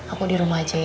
aku dirumah aja ya